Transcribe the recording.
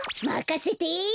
まかせて！